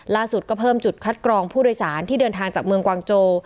ก็เพิ่มจุดคัดกรองผู้โดยสารที่เดินทางจากเมืองกวางโจ